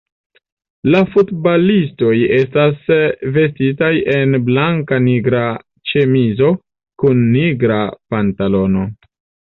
La futbalistoj estas vestitaj en blanka-nigra ĉemizo kun nigra pantalono.